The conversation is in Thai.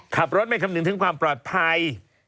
ขับรถไม่คำนึงถึงความปลอดภัย